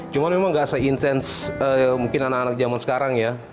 cuma memang gak se insense mungkin anak anak zaman sekarang ya